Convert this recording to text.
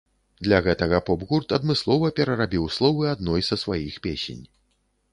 Для гэтага поп-гурт адмыслова перарабіў словы адной са сваіх песень.